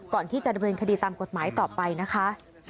ก่อนที่จะดำเนินคดีตามกฎหมายต่อไปนะคะ